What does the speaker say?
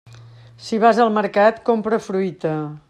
Si vas al mercat, compra fruita.